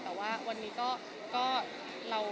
แต่ว่าวันนี้ก็